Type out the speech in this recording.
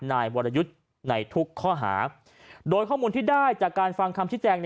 นายวรยุทธ์ในทุกข้อหาโดยข้อมูลที่ได้จากการฟังคำชี้แจง